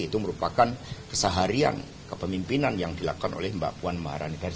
itu merupakan kesaharian kepemimpinan yang dilakukan oleh mbak puan maha randert nets dearu lah